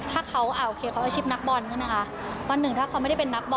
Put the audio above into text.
ถ้าเค้าอาชีพนักบอลนะครับ